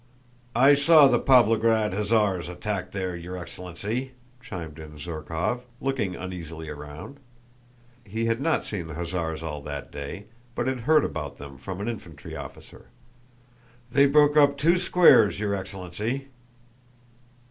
"I saw the Pávlograd hussars attack there, your excellency," chimed in Zherkóv, looking uneasily around. He had not seen the hussars all that day, but had heard about them from an infantry officer. "They broke up two squares, your excellency."